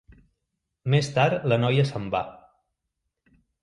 Més tard la noia se'n va.